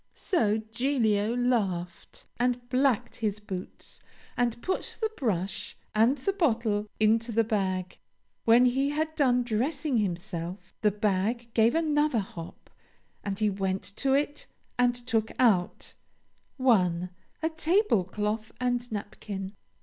So Giglio laughed and blacked his boots, and put the brush and the bottle into the bag. "When he had done dressing himself, the bag gave another hop, and he went to it and took out 1. A tablecloth and napkin.